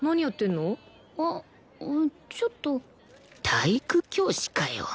体育教師かよ